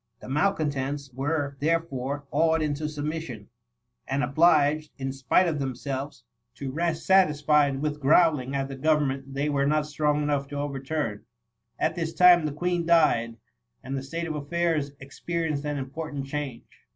The malcontents were therefore awed into submission, and obliged, in spite of themselves, to rest satis* 12 THE MUMMY« fied with growling at the government they were not strong enough to overturn. At this time the Queen died, and the state of affairs expe rienced an important change.